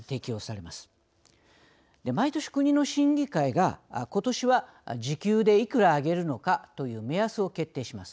毎年国の審議会がことしは時給でいくら上げるのかという目安を決定します。